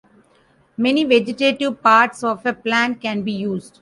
Many vegetative parts of a plant can be used.